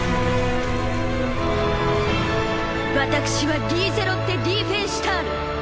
私はリーゼロッテ・リーフェンシュタール。